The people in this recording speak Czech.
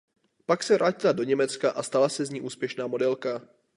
Pak se vrátila do Německa a stala se z ní úspěšná modelka.